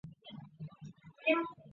现任民主进步党籍基隆市议员。